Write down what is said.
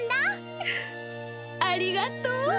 うっありがとう。